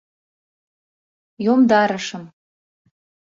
— Йомдарышым...